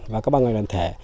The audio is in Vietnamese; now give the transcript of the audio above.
và các ban ngành đoàn thể